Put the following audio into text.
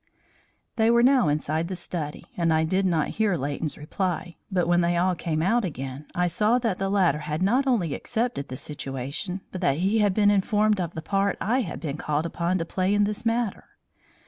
They were now inside the study and I did not hear Leighton's reply, but when they all came out again, I saw that the latter had not only accepted the situation, but that he had been informed of the part I had been called upon to play in this matter.